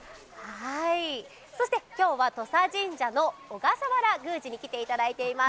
今日は土佐神社の小笠原宮司に来ていただいています。